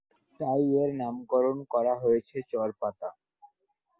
তাই এর নামকরণ করা হয়েছে চর পাতা।